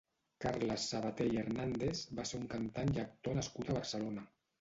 Carles Sabater i Hernàndez va ser un cantant i actor nascut a Barcelona.